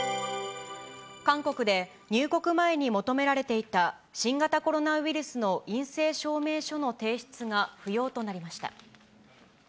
韓国で入国前に求められていた新型コロナウイルスの陰性証明書の提出が不要となりました。